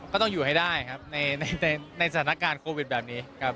ก็ต้องอยู่ให้ได้ครับในสถานการณ์โควิดแบบนี้ครับ